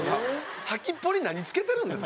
先っぽに何付けてるんですか？